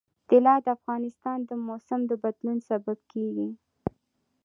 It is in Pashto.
طلا د افغانستان د موسم د بدلون سبب کېږي.